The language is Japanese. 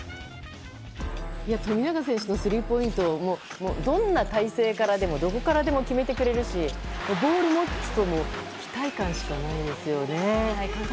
富永選手のスリーポイントどんな体勢からでもどこからでも決めてくれるしボールを持つと期待感しかないですよね。